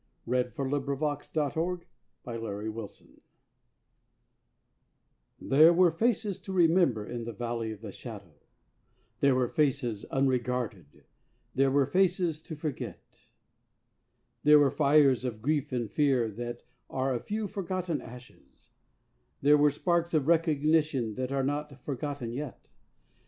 The Three Taverns The Valley of the Shadow There were faces to remember in the Valley of the Shadow, There were faces unregarded, there were faces to forget; There were fires of grief and fear that are a few forgotten ashes, There were sparks of recognition that are not forgotten yet.